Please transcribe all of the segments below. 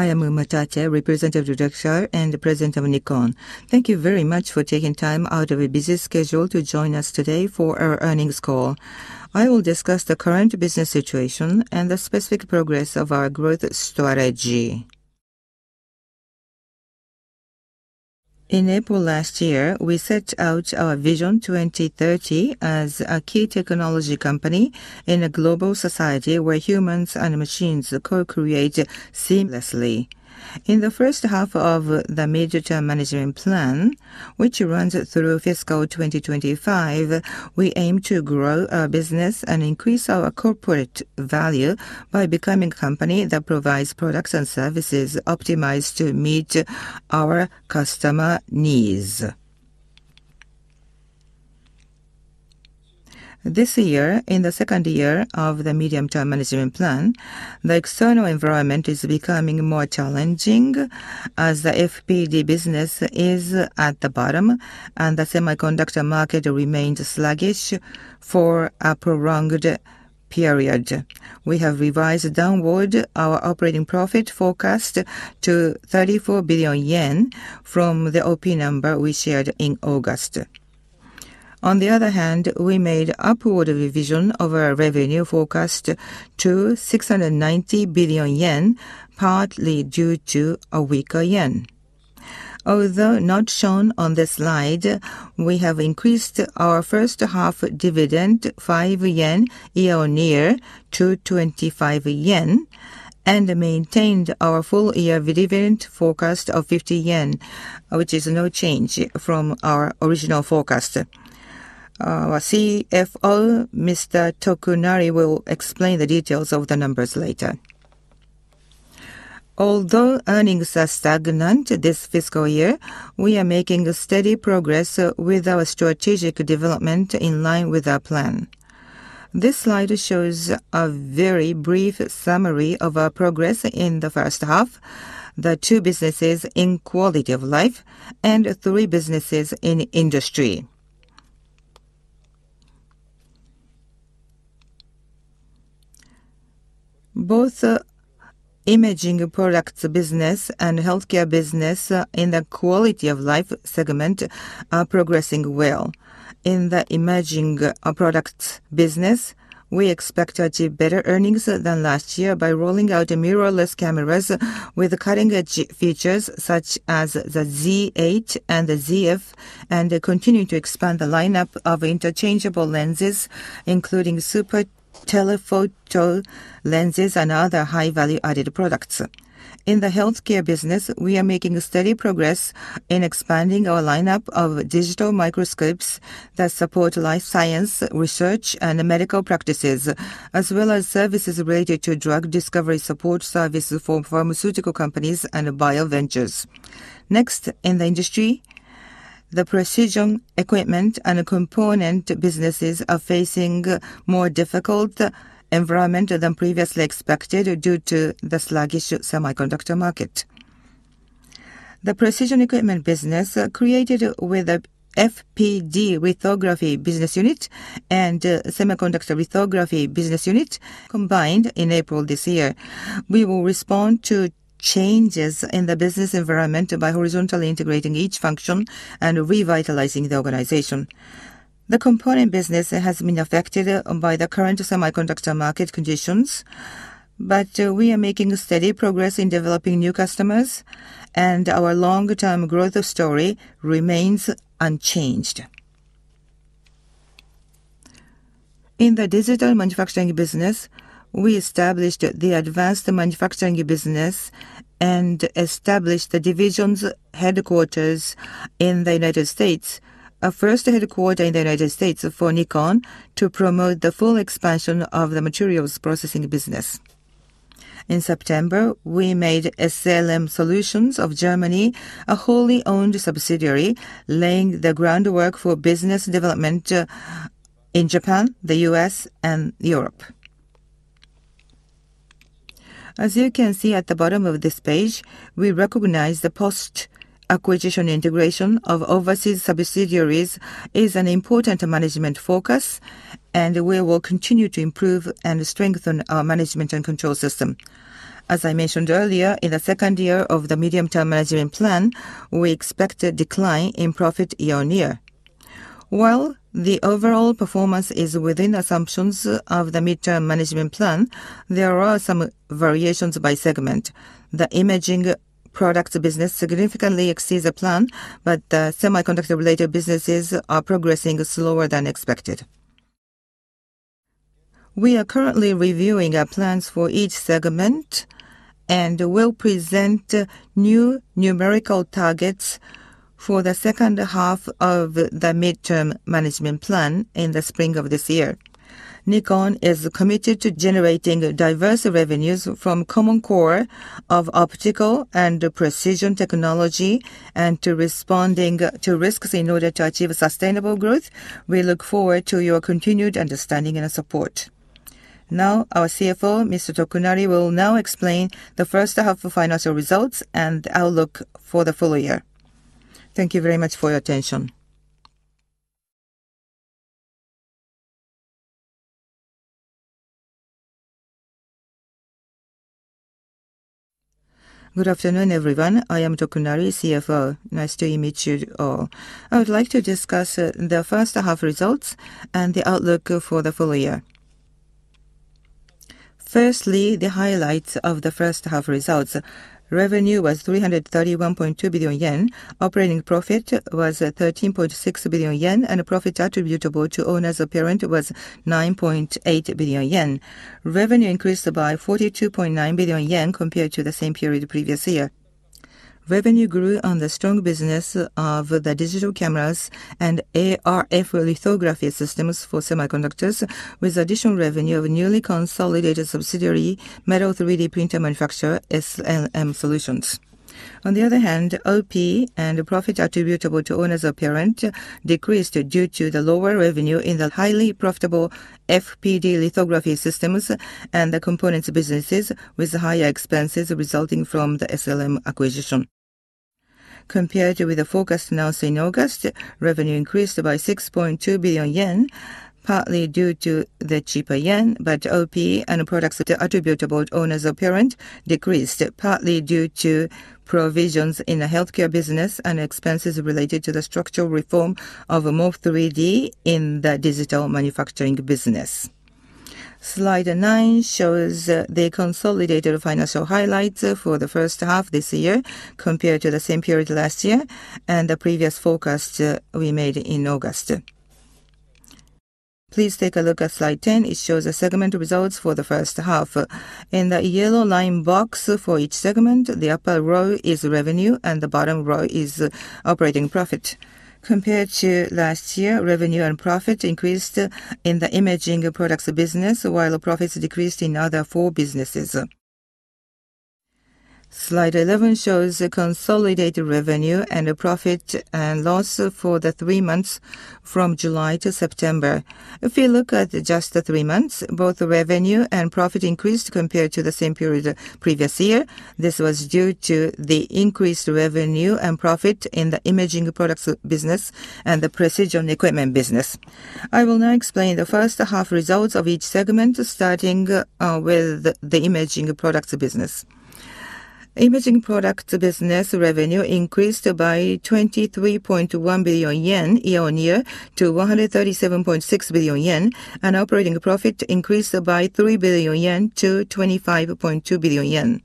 I am Umatate, Representative Director and President of Nikon. Thank you very much for taking time out of your busy schedule to join us today for our earnings call. I will discuss the current business situation and the specific progress of our growth strategy. In April last year, we set out our Vision 2030 as a key technology company in a global society where humans and machines co-create seamlessly. In the first half of the mid-term management plan, which runs through fiscal 2025, we aim to grow our business and increase our corporate value by becoming a company that provides products and services optimized to meet our customer needs. This year, in the second year of the medium-term management plan, the external environment is becoming more challenging as the FPD business is at the bottom and the semiconductor market remains sluggish for a prolonged period. We have revised downward our operating profit forecast to 34 billion yen from the OP number we shared in August. On the other hand, we made upward revision of our revenue forecast to 690 billion yen, partly due to a weaker yen. Although not shown on this slide, we have increased our first half dividend 5 yen year-on-year to 25 yen, and maintained our full year dividend forecast of 50 yen, which is no change from our original forecast. Our CFO, Mr. Tokunari, will explain the details of the numbers later. Although earnings are stagnant this fiscal year, we are making steady progress with our strategic development in line with our plan. This slide shows a very brief summary of our progress in the first half, the two businesses in quality of life and three businesses in industry. Both, imaging products business and healthcare business in the quality of life segment are progressing well. In the emerging, products business, we expect to achieve better earnings than last year by rolling out mirrorless cameras with cutting-edge features, such as the Z 8 and the Z f, and continue to expand the lineup of interchangeable lenses, including super telephoto lenses and other high-value added products. In the healthcare business, we are making steady progress in expanding our lineup of digital microscopes that support life science, research, and medical practices, as well as services related to drug discovery support services for pharmaceutical companies and bioventures. Next, in the industry, the precision equipment and component businesses are facing more difficult environment than previously expected due to the sluggish semiconductor market. The precision equipment business, created with a FPD lithography business unit and semiconductor lithography business unit combined in April this year. We will respond to changes in the business environment by horizontally integrating each function and revitalizing the organization. The component business has been affected by the current semiconductor market conditions, but we are making steady progress in developing new customers, and our long-term growth story remains unchanged. In the digital manufacturing business, we established the advanced manufacturing business and established the division headquarters in the United States, our first headquarters in the United States for Nikon, to promote the full expansion of the materials processing business. In September, we made SLM Solutions of Germany a wholly owned subsidiary, laying the groundwork for business development in Japan, the U.S., and Europe. As you can see at the bottom of this page, we recognize the post-acquisition integration of overseas subsidiaries is an important management focus, and we will continue to improve and strengthen our management and control system. As I mentioned earlier, in the second year of the Medium-Term Management Plan, we expect a decline in profit year-on-year. While the overall performance is within assumptions of the Medium-Term Management Plan, there are some variations by segment. The imaging products business significantly exceeds the plan, but the semiconductor-related businesses are progressing slower than expected. We are currently reviewing our plans for each segment, and we'll present new numerical targets for the second half of the Medium-Term Management Plan in the spring of this year. Nikon is committed to generating diverse revenues from common core of optical and precision technology, and to responding to risks in order to achieve sustainable growth. We look forward to your continued understanding and support. Now, our CFO, Mr. Tokunari, will now explain the first half of financial results and outlook for the full year. Thank you very much for your attention. Good afternoon, everyone. I am Tokunari, CFO. Nice to meet you all. I would like to discuss, the first half results and the outlook for the full year. Firstly, the highlights of the first half results. Revenue was 331.2 billion yen. Operating profit was, thirteen point six billion yen, and a profit attributable to owners of parent was 9.8 billion yen. Revenue increased by 42.9 billion yen compared to the same period the previous year. Revenue grew on the strong business of the digital cameras and ArF lithography systems for semiconductors, with additional revenue of a newly consolidated subsidiary, metal 3D printer manufacturer, SLM Solutions. On the other hand, OP and profit attributable to owners of parent decreased due to the lower revenue in the highly profitable FPD lithography systems and the components businesses with higher expenses resulting from the SLM acquisition. Compared with the forecast announced in August, revenue increased by 6.2 billion yen, partly due to the cheaper yen, but OP and profit attributable to owners of parent decreased, partly due to provisions in the healthcare business and expenses related to the structural reform of Morf3D in the digital manufacturing business. Slide 9 shows the consolidated financial highlights for the first half this year compared to the same period last year and the previous forecast we made in August. Please take a look at slide 10. It shows the segment results for the first half. In the yellow line box for each segment, the upper row is revenue and the bottom row is operating profit. Compared to last year, revenue and profit increased in the imaging products business, while profits decreased in other four businesses. Slide 11 shows the consolidated revenue and the profit and loss for the three months from July to September. If you look at just the three months, both revenue and profit increased compared to the same period the previous year. This was due to the increased revenue and profit in the imaging products business and the precision equipment business. I will now explain the first half results of each segment, starting with the imaging products business. Imaging product business revenue increased by 23.1 billion yen year-on-year to 137.6 billion yen, and operating profit increased by 3 billion yen to 25.2 billion yen.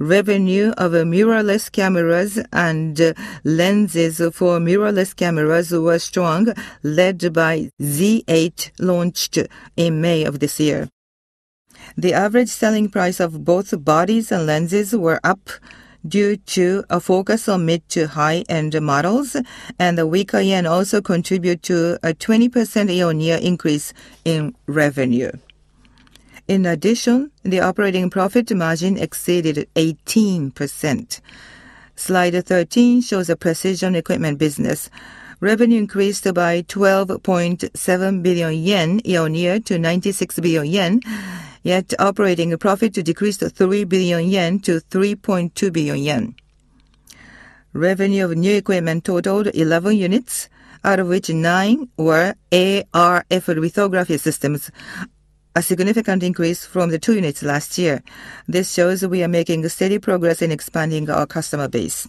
Revenue of mirrorless cameras and lenses for mirrorless cameras were strong, led by Z 8, launched in May of this year. The average selling price of both bodies and lenses were up due to a focus on mid to high-end models, and the weaker yen also contribute to a 20% year-on-year increase in revenue. In addition, the operating profit margin exceeded 18%. Slide 13 shows a precision equipment business. Revenue increased by 12.7 billion yen year-on-year to 96 billion yen, yet operating profit decreased to 3 billion yen to 3.2 billion yen. Revenue of new equipment totaled 11 units, out of which nine were ArF lithography systems, a significant increase from the two units last year. This shows that we are making steady progress in expanding our customer base.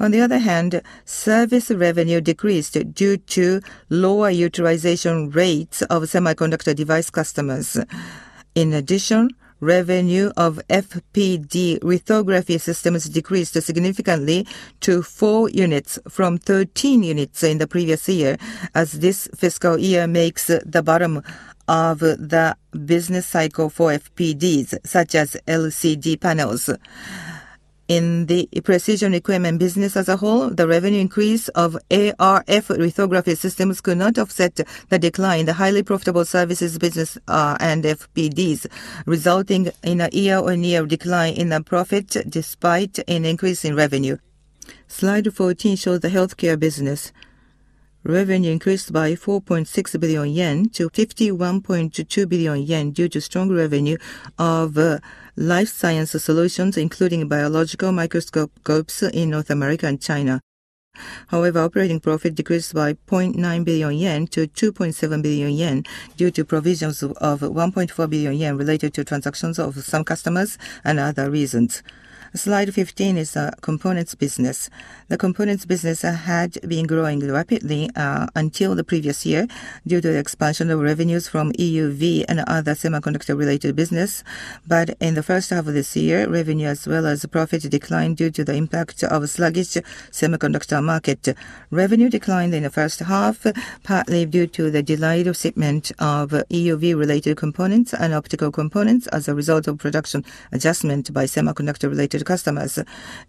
On the other hand, service revenue decreased due to lower utilization rates of semiconductor device customers. In addition, revenue of FPD lithography systems decreased significantly to four units from 13 units in the previous year, as this fiscal year makes the bottom of the business cycle for FPDs, such as LCD panels. In the precision equipment business as a whole, the revenue increase of ArF lithography systems could not offset the decline in the highly profitable services business, and FPDs, resulting in a year-on-year decline in the profit despite an increase in revenue. Slide 14 shows the healthcare business. Revenue increased by 4.6 billion yen to 51.2 billion yen due to strong revenue of life science solutions, including biological microscope scopes in North America and China. However, operating profit decreased by 0.9 billion yen to 2.7 billion yen due to provisions of 1.4 billion yen related to transactions of some customers and other reasons. Slide 15 is components business. The components business had been growing rapidly until the previous year due to the expansion of revenues from EUV and other semiconductor-related business. But in the first half of this year, revenue as well as profit declined due to the impact of a sluggish semiconductor market. Revenue declined in the first half, partly due to the delayed shipment of EUV-related components and optical components as a result of production adjustment by semiconductor-related customers.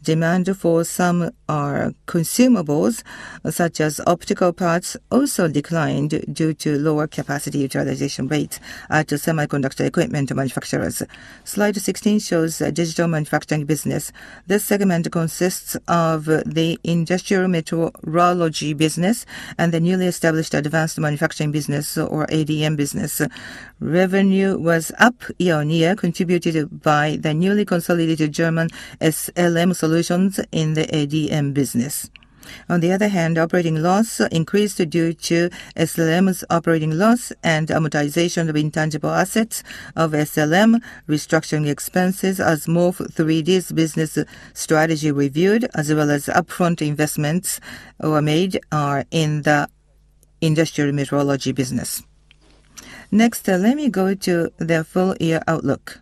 Demand for some consumables, such as optical parts, also declined due to lower capacity utilization rates to semiconductor equipment manufacturers. Slide 16 shows digital manufacturing business. This segment consists of the industrial metrology business and the newly established advanced manufacturing business, or ADM business. Revenue was up year-on-year, contributed by the newly consolidated German SLM Solutions in the ADM business. On the other hand, operating loss increased due to SLM's operating loss and amortization of intangible assets of SLM, restructuring expenses as Morf3D's business strategy reviewed, as well as upfront investments were made in the industrial metrology business. Next, let me go to the full year outlook.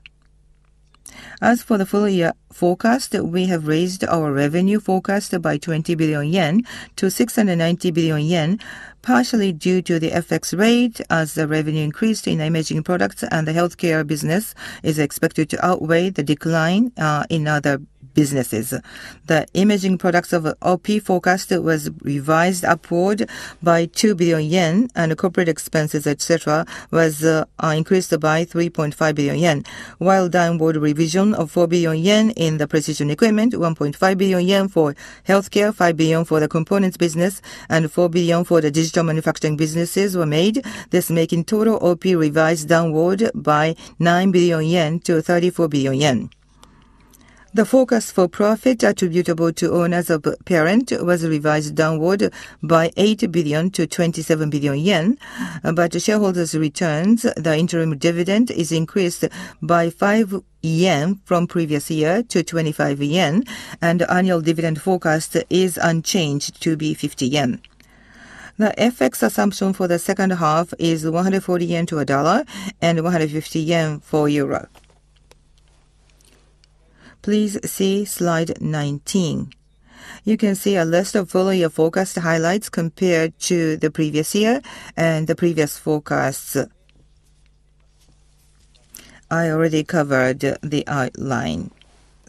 As for the full year forecast, we have raised our revenue forecast by 20 billion yen to 690 billion yen, partially due to the FX rate as the revenue increased in imaging products and the healthcare business is expected to outweigh the decline in other businesses. The imaging products of OP forecast was revised upward by 2 billion yen, and corporate expenses, et cetera, are increased by 3.5 billion yen. While downward revision of 4 billion yen in the precision equipment, 1.5 billion yen for healthcare, 5 billion for the components business, and 4 billion for the digital manufacturing businesses were made, thus making total OP revised downward by 9 billion yen to 34 billion yen. The forecast for profit attributable to owners of parent was revised downward by 80 billion to 27 billion yen. Shareholders' returns, the interim dividend is increased by 5 yen from previous year to 25 yen, and annual dividend forecast is unchanged to be 50 yen. The FX assumption for the second half is 140 yen to $1 and JPY 150 to EUR 1. Please see slide 19. You can see a list of full year forecast highlights compared to the previous year and the previous forecast. I already covered the outline,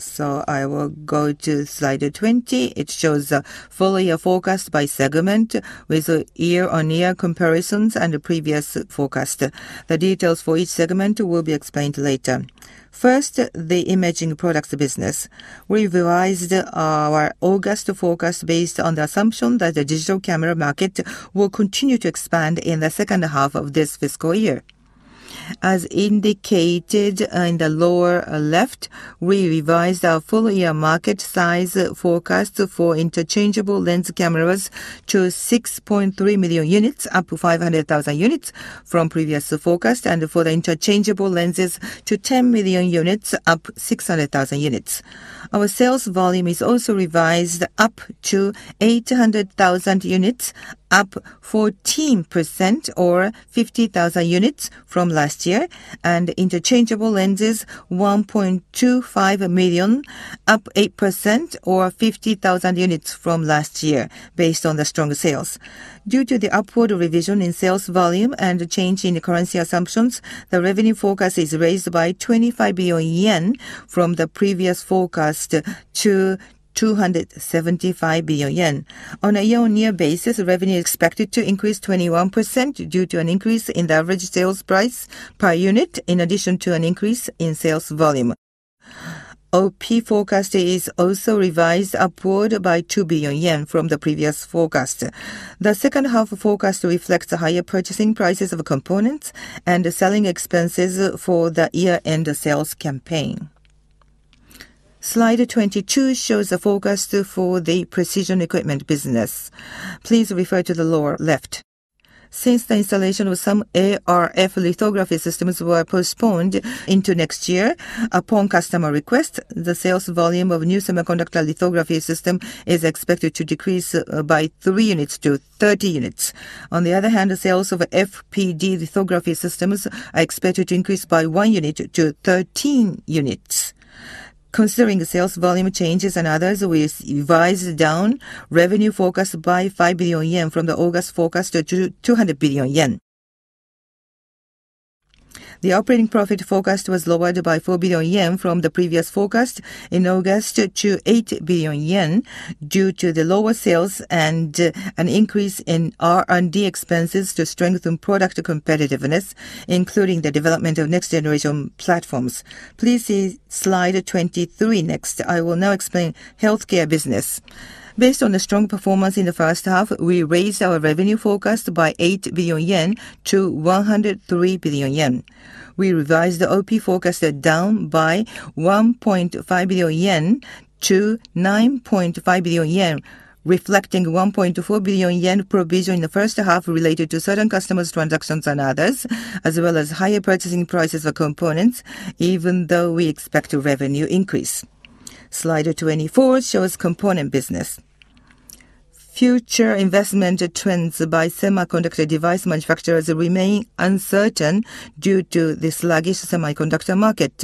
so I will go to slide 20. It shows full year forecast by segment with a year-on-year comparison and the previous forecast. The details for each segment will be explained later. First, the imaging products business. We revised our August forecast based on the assumption that the digital camera market will continue to expand in the second half of this fiscal year. As indicated in the lower left, we revised our full year market size forecast for interchangeable lens cameras to 6.3 million units, up 500,000 units from previous forecast, and for the interchangeable lenses to 10 million units, up 600,000 units. Our sales volume is also revised up to 800,000 units, up 14% or 50,000 units from last year, and interchangeable lenses 1.25 million, up 8% or 50,000 units from last year, based on the strong sales. Due to the upward revision in sales volume and the change in the currency assumptions, the revenue forecast is raised by 25 billion yen from the previous forecast to 275 billion yen. On a year-on-year basis, revenue expected to increase 21% due to an increase in the average sales price per unit, in addition to an increase in sales volume. OP forecast is also revised upward by 2 billion yen from the previous forecast. The second half forecast reflects the higher purchasing prices of components and the selling expenses for the year-end sales campaign. Slide 22 shows the forecast for the precision equipment business. Please refer to the lower left. Since the installation of some ArF lithography systems were postponed into next year upon customer request, the sales volume of new semiconductor lithography system is expected to decrease by 3 units-30 units. On the other hand, the sales of FPD lithography systems are expected to increase by 1 unit-13 units. Considering the sales volume changes and others, we revised down revenue forecast by 5 billion yen from the August forecast to 200 billion yen. The operating profit forecast was lowered by 4 billion yen from the previous forecast in August to 8 billion yen due to the lower sales and an increase in R&D expenses to strengthen product competitiveness, including the development of next generation platforms. Please see slide 23 next. I will now explain healthcare business. Based on the strong performance in the first half, we raised our revenue forecast by 8 billion yen to 103 billion yen. We revised the OP forecast down by 1.5 billion yen to 9.5 billion yen, reflecting 1.4 billion yen provision in the first half related to certain customers' transactions and others, as well as higher purchasing prices of components, even though we expect a revenue increase. Slide 24 shows component business. Future investment trends by semiconductor device manufacturers remain uncertain due to the sluggish semiconductor market.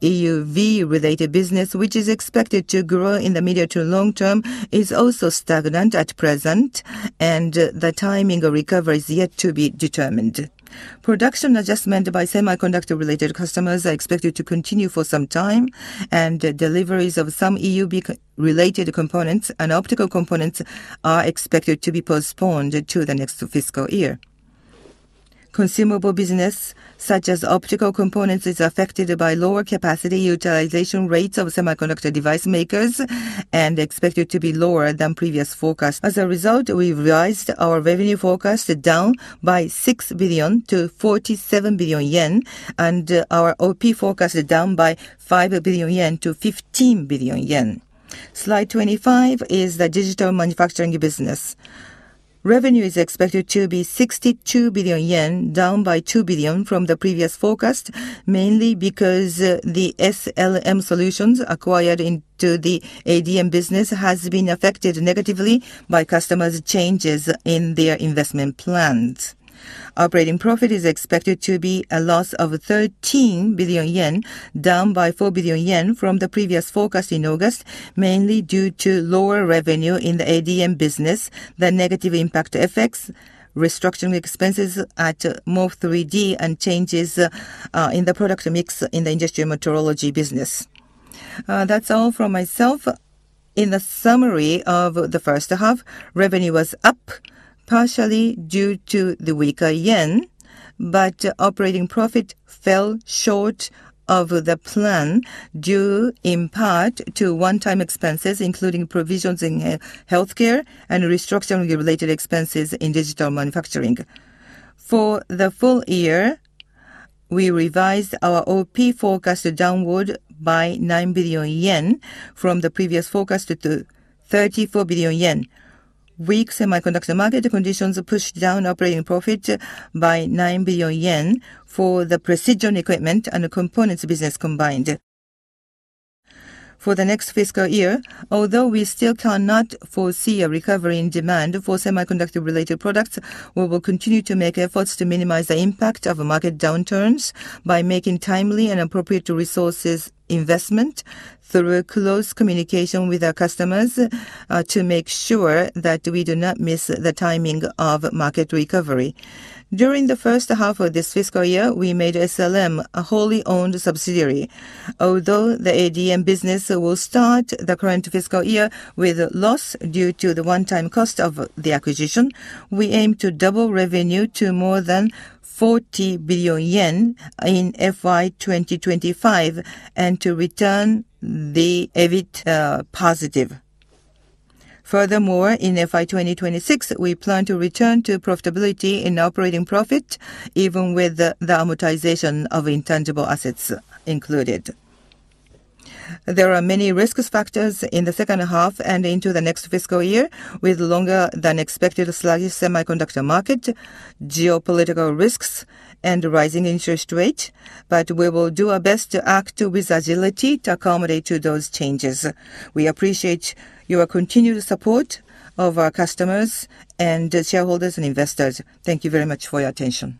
EUV-related business, which is expected to grow in the medium to long term, is also stagnant at present, and the timing of recovery is yet to be determined. Production adjustment by semiconductor-related customers are expected to continue for some time, and deliveries of some EUV-related components and optical components are expected to be postponed to the next fiscal year. Consumable business, such as optical components, is affected by lower capacity utilization rates of semiconductor device makers and expected to be lower than previous forecast. As a result, we've revised our revenue forecast down by 6 billion to 47 billion yen and our OP forecast down by 5 billion yen to 15 billion yen. Slide 25 is the digital manufacturing business. Revenue is expected to be 62 billion yen, down by 2 billion from the previous forecast, mainly because the SLM Solutions acquired into the ADM business has been affected negatively by customers' changes in their investment plans. Operating profit is expected to be a loss of 13 billion yen, down by 4 billion yen from the previous forecast in August, mainly due to lower revenue in the ADM business, the negative impact effects, restructuring expenses at Morf3D, and changes in the product mix in the industrial metrology business. That's all from myself. In the summary of the first half, revenue was up, partially due to the weaker yen, but operating profit fell short of the plan, due in part to one-time expenses, including provisions in healthcare and restructuring related expenses in digital manufacturing. For the full year, we revised our OP forecast downward by 9 billion yen from the previous forecast to 34 billion yen. Weak semiconductor market conditions pushed down operating profit by 9 billion yen for the precision equipment and the components business combined. For the next fiscal year, although we still cannot foresee a recovery in demand for semiconductor-related products, we will continue to make efforts to minimize the impact of market downturns by making timely and appropriate resources investment through close communication with our customers, to make sure that we do not miss the timing of market recovery. During the first half of this fiscal year, we made SLM a wholly owned subsidiary. Although the ADM business will start the current fiscal year with a loss due to the one-time cost of the acquisition, we aim to double revenue to more than 40 billion yen in FY 2025, and to return the EBIT positive. Furthermore, in FY 2026, we plan to return to profitability in operating profit, even with the amortization of intangible assets included. There are many risk factors in the second half and into the next fiscal year, with longer than expected sluggish semiconductor market, geopolitical risks, and rising interest rate, but we will do our best to act with agility to accommodate to those changes. We appreciate your continued support of our customers and shareholders and investors. Thank you very much for your attention.